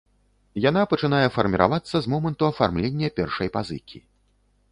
Яна пачынае фарміравацца з моманту афармлення першай пазыкі.